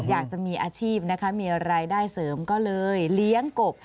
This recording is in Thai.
อยากจะมีอาชีพนะคะมีรายได้เสริมก็เลยเลี้ยงกบ